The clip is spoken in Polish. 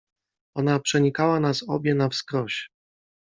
Ona przenikała nas obie na wskroś…